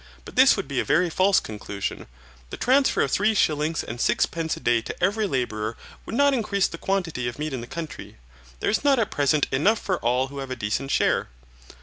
But this would be a very false conclusion. The transfer of three shillings and sixpence a day to every labourer would not increase the quantity of meat in the country. There is not at present enough for all to have a decent share.